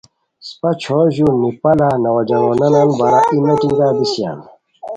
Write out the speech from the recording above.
اسپہ چھور ژون نیپالا نوجوانوان بارا ای میٹنگہ بیسیان۔